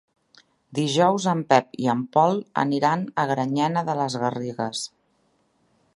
Dijous en Pep i en Pol aniran a Granyena de les Garrigues.